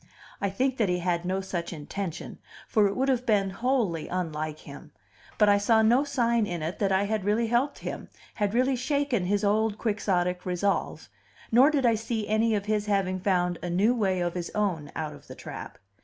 I think that he had no such intention, for it would have been wholly unlike him; but I saw no sign in it that I had really helped him, had really shaken his old quixotic resolve, nor did I see any of his having found a new way of his own out of the trap.